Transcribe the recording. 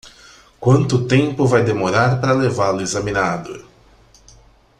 Quanto tempo vai demorar para levá-lo examinado?